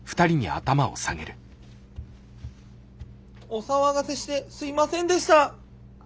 お騒がせしてすいませんでした。